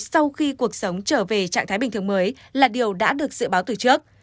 sau khi cuộc sống trở về trạng thái bình thường mới là điều đã được dự báo từ trước